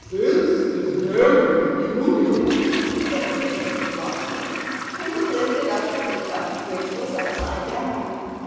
"This is very peculiar," said the Tailor of Gloucester, and he lifted up the tea cup which was upside down.